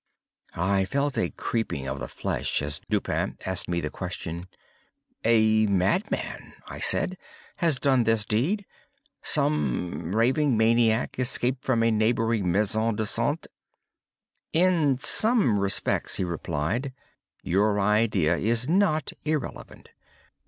I felt a creeping of the flesh as Dupin asked me the question. "A madman," I said, "has done this deed—some raving maniac, escaped from a neighboring Maison de Santé." "In some respects," he replied, "your idea is not irrelevant.